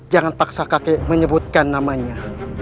jangan paksa kakek menyebutkan namanya